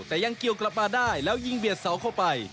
แต่ยังเกี่ยวกลับมาได้แล้วยิงเบียดเสาเข้าไป